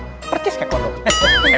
percis kayak kodok